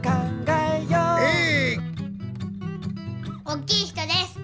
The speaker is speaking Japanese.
おっきい人です。